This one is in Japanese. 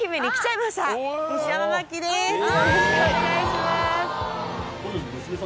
よろしくお願いします。